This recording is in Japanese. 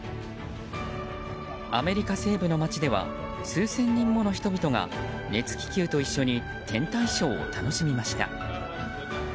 アメリカ政府の街では数千人もの人々が熱気球と一緒に天体ショーを楽しみました。